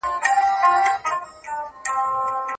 کاري ورځي څنګه ټاکل کیږي؟